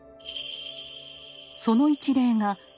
その一例が江戸